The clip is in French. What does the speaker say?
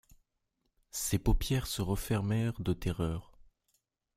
Ses paupières se refermèrent de terreur.